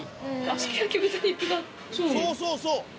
そうそうそう！